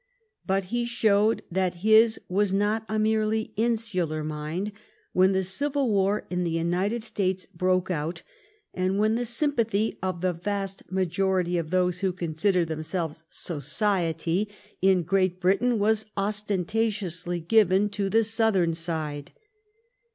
But he showed that his was not a merely insular mind when the Civil War in the United States broke out and when the sympathy of the vast majority of those who considered themselves " society " in 172 THE STORY OF GLADSTONE'S LIFE Great Britain was ostentatiously given to the Southern side.